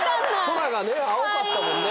空がね青かったもんね。